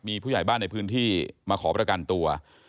มีผู้ใหญ่บ้านในพื้นที่มาขอประกันตัว